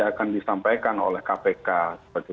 akan disampaikan oleh kpk sebagai